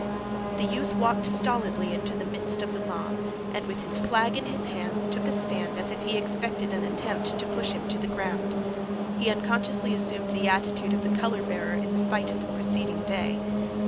The youth walked stolidly into the midst of the mob, and with his flag in his hands took a stand as if he expected an attempt to push him to the ground. He unconsciously assumed the attitude of the color bearer in the fight of the preceding day.